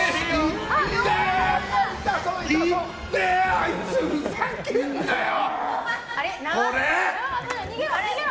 あいつふざけんなよ！